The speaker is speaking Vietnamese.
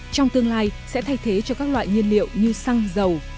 trong tương lai sẽ thay thế cho các loại nhiên liệu như xăng dầu